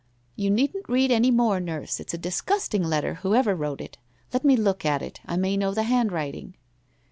' You needn't read any more, Nurse, it's a disgusting letter, whoever wrote it ! Let ine look at it. I may know the handwriting?